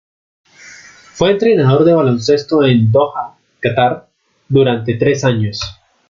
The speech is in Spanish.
Fue entrenador de baloncesto en Doha, Catar, durante tres años.